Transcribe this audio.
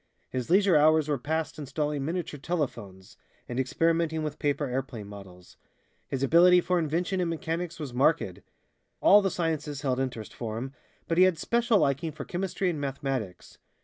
His leisure hours were passed installing miniature telephones, and experimenting with paper airplane models. His ability for invention and mechanics was marked. All the sciences held interest for him, but he had special liking for chemistry and mathematics.